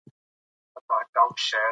ټولنیز بدلون د وخت له اړتیاوو راولاړېږي.